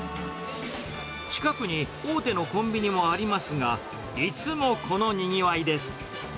近くに大手のコンビニもありますが、いつもこのにぎわいです。